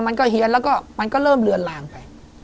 มันก็เฮียนแล้วก็มันก็เริ่มเลือนลางไป